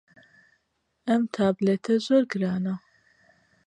ئەم تابلێتە زۆر گرانە.